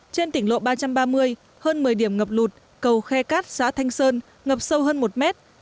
trên tỉnh lộ ba trăm ba mươi hơn một mươi điểm ngập lụt cầu khe cát xã thanh sơn ngập sâu hơn một mét